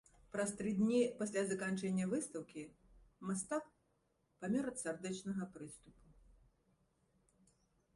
Праз тры дні пасля заканчэння выстаўкі мастак памёр ад сардэчнага прыступу.